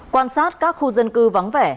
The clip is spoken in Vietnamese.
quan sát các khu dân cư vắng vẻ